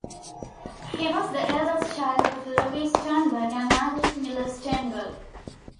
He was the eldest child of Levi Sternberg and Margaret Miller Stenberg.